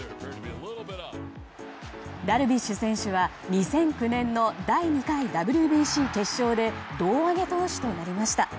ダルビッシュ選手は２００９年の第２回ＷＢＣ決勝で胴上げ投手となりました。